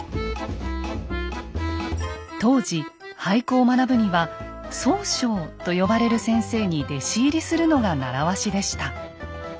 当時俳句を学ぶには「宗匠」と呼ばれる先生に弟子入りするのが習わしでした。